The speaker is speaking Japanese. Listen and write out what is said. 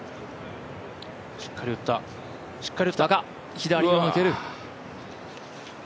左へ抜ける。